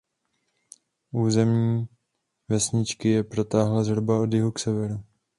Území vesničky je protáhlé zhruba od jihu k severu.